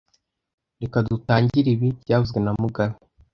Reka dutangire ibi byavuzwe na mugabe